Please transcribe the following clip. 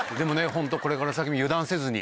ホントこれから先も油断せずに。